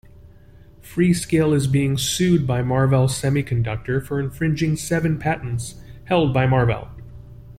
Freescale is being sued by Marvell Semiconductor for infringing seven patents held by Marvell.